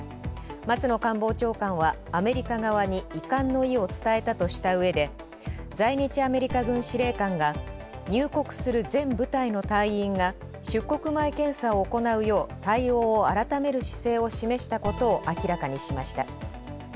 松野官房長官はアメリカ側に遺憾の意を伝えたとした上で在日アメリカ軍司令官が入国する全部隊の隊員が出国前検査を行うよう対応を改める姿勢を示したことを明らかにしました。